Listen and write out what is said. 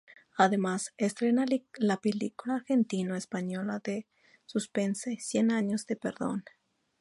Además, estrena la película argentino-española de suspense "Cien años de perdón".